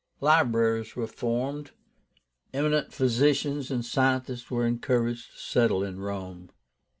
Libraries were formed. Eminent physicians and scientists were encouraged to settle in Rome.